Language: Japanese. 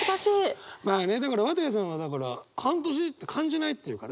まあね綿矢さんはだから「半年感じない」って言うから。